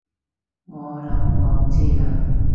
我諗我知喇